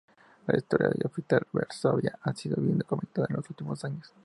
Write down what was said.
La historia del Hospital Varsovia ha sido bien documentada en los últimos años.